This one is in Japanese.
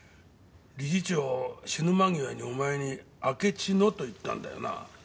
理事長死ぬ間際にお前に「あけちの」と言ったんだよな。